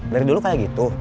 dari dulu kayak gitu